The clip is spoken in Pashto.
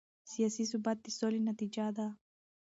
سیاسي ثبات د سولې نتیجه ده